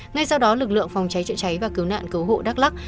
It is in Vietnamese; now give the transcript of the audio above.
ngay sau đó lực lượng phòng cháy chữa cháy và cứu nạn cứu hộ đắk lắc